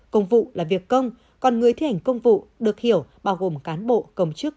công vụ là việc công còn người thi hành công vụ được hiểu bao gồm cán bộ công chức